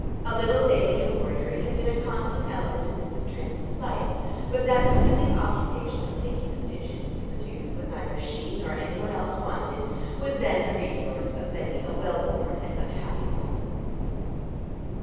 A little daily embroidery had been a constant element in Mrs. Transome's life; but that soothing occupation of taking stitches to produce what neither she nor any one else wanted, was then the resource of many a well born and unhappy woman.